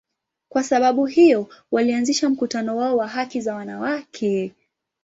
Kwa sababu hiyo, walianzisha mkutano wao wa haki za wanawake.